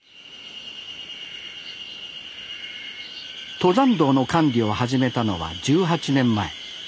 登山道の管理を始めたのは１８年前。